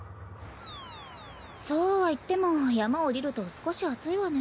そうはいっても山下りると少し暑いわね。